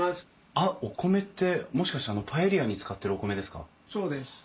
あっお米ってもしかしてあのパエリアに使ってるお米ですか？